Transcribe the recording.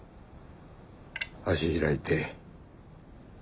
足開いて。